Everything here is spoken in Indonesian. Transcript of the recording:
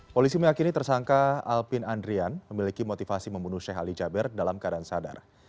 polisi meyakini tersangka alpin andrian memiliki motivasi membunuh sheikh ali jaber dalam keadaan sadar